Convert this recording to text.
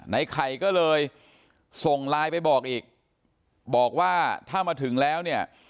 ในไข่ก็เลยส่งไลน์ไปบอกอีกบอกว่าถ้ามาถึงแล้วเนี่ย